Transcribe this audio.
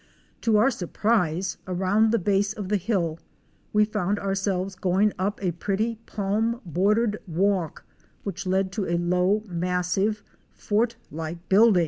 To our surprise, around the base of the hill we found ourselves going up a pretty palm bordered walk which led to a low, massive, fort like building.